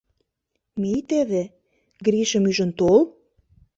Мий теве, Гришым ӱжын тол.